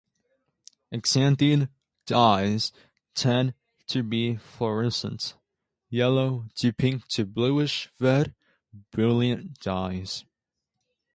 Xanthene dyes tend to be fluorescent, yellow to pink to bluish red, brilliant dyes.